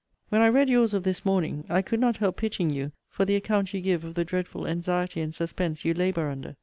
When I read yours of this morning, I could not help pitying you for the account you give of the dreadful anxiety and suspense you labour under.